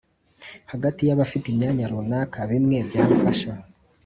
hagati y’abaﬁte imyanya runaka, bimwe bya mfasha